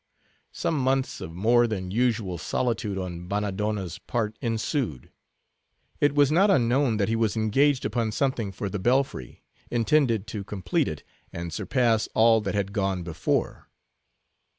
Some months of more than usual solitude on Bannadonna's part ensued. It was not unknown that he was engaged upon something for the belfry, intended to complete it, and surpass all that had gone before.